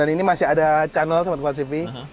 dan ini masih ada channel sama tukang sivi